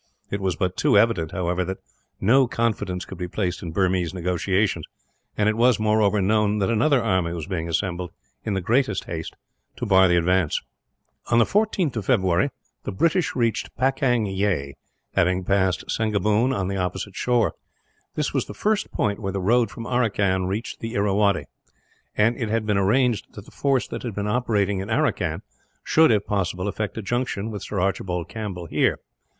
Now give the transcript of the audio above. It was but too evident, however, that no confidence could be placed in Burmese negotiations; and it was, moreover, known that another army was being assembled, in the greatest haste, to bar the advance. On the 14th of February the British reached Pakang Yay, having passed Sembeughewn on the opposite shore. This was the point where the road from Aracan reached the Irrawaddy, and it had been arranged that the force that had been operating in Aracan should, if possible, effect a junction with Sir Archibald Campbell here.